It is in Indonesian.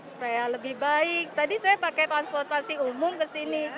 supaya lebih baik tadi saya pakai transportasi umum kesini